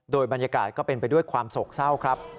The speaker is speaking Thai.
โดยบรรยากาศก็เป็นไปด้วยความโศกเศร้าครับ